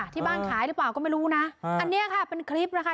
ที่บ้านขายหรือเปล่าก็ไม่รู้นะอันนี้ค่ะเป็นคลิปนะคะ